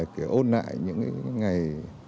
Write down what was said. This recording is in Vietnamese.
kiểu ôn lại những cái ngày